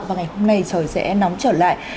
và ngày hôm nay trời sẽ nóng trở lại